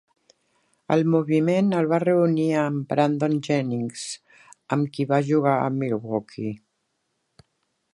El moviment el va reunir amb Brandon Jennings, amb qui va jugar a Milwaukee.